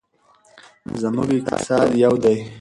زموږ اقتصاد یو دی.